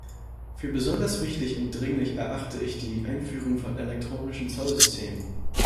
Für besonders wichtig und dringlich erachte ich die Einführung von elektronischen Zollsystemen.